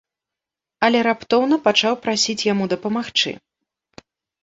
Але раптоўна пачаў прасіць яму дапамагчы.